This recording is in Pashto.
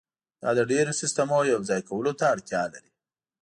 دا د ډیرو سیستمونو یوځای کولو ته اړتیا لري